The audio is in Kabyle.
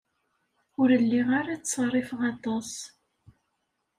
Ur lliɣ ara ttṣerrifeɣ aṭas.